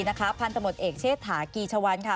นะฮะพันธมบลเอกเชษฐากีฌวรรค่ะ